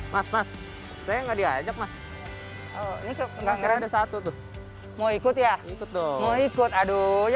mau ikut ya mau ikut aduh ya